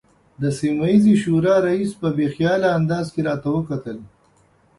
د سیمه ییزې شورا رئیس په بې خیاله انداز کې راته وکتل.